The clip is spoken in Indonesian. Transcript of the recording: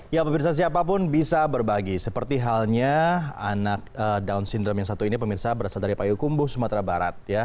ya pemirsa siapapun bisa berbagi seperti halnya anak down syndrome yang satu ini pemirsa berasal dari payukumbu sumatera barat